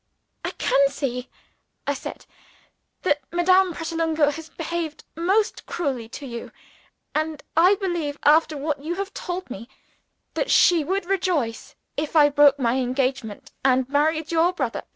"I can see," I said, "that Madame Pratolungo has behaved most cruelly to you. And I believe, after what you have told me, that she would rejoice if I broke my engagement, and married your brother.